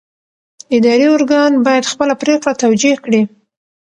اداري ارګان باید خپله پرېکړه توجیه کړي.